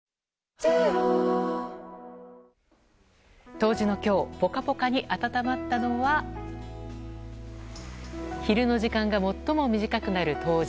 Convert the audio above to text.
冬至の今日ポカポカに温まったのは昼の時間が最も短くなる冬至。